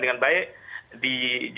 dengan baik di